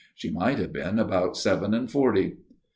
She might have been about seven and forty.